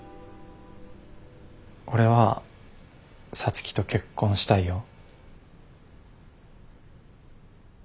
俺は皐月と結婚したいよ。